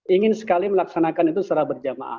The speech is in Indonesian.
ingin sekali melaksanakan itu secara berjamaah